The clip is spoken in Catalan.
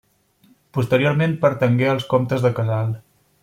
Posteriorment pertangué als comtes de Casal.